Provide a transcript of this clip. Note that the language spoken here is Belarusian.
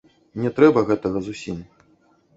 Не трэба гэтага зусім.